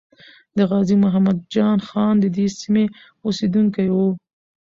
د غازی محمد جان خان ددې سیمې اسیدونکی وو.